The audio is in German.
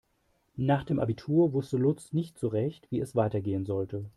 Nach dem Abitur wusste Lutz nicht so recht, wie es weitergehen sollte.